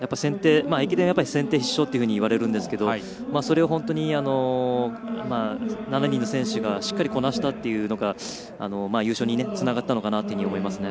駅伝は先手必勝といわれるんですけれどもそれを本当に７人の選手がしっかりこなしたっていうのが優勝につながったのかなと思いますね。